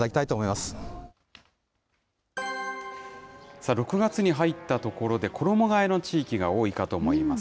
さあ、６月に入ったところで衣がえの地域が多いかと思います。